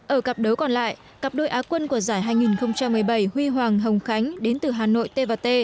ở cặp đấu còn lại cặp đôi á quân của giải hai nghìn một mươi bảy huy hoàng hồng khánh đến từ hà nội tvt